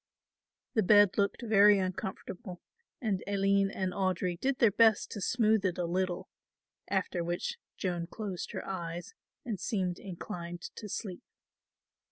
The bed looked very uncomfortable and Aline and Audry did their best to smooth it a little, after which Joan closed her eyes and seemed inclined to sleep.